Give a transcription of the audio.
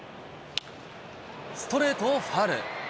ストレートをファウル。